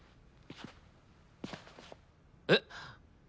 えっ！